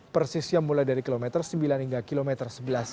persisnya mulai dari kilometer sembilan hingga kilometer sebelas